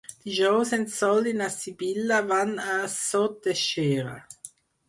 Dijous en Sol i na Sibil·la van a Sot de Xera.